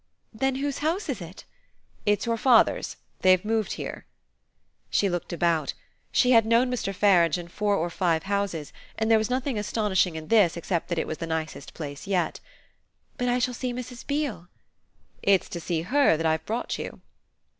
"Then whose house is it?" "It's your father's. They've moved here." She looked about: she had known Mr. Farange in four or five houses, and there was nothing astonishing in this except that it was the nicest place yet. "But I shall see Mrs. Beale?" "It's to see her that I brought you."